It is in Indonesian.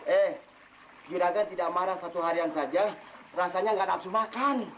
eh yuraga tidak marah satu harian saja rasanya nggak nafsu makan